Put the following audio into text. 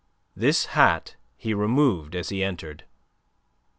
This hat he removed as he entered.